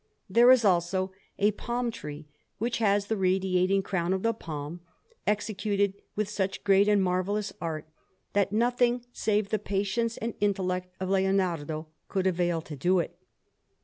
There is also a palm tree which has the radiating crown of the palm, executed with such great and marvellous art that nothing save the patience and intellect of Leonardo could avail to do it.